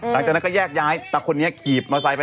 หลังจากนั้นก็แยกย้ายแต่คนนี้ขี่มอไซค์ไป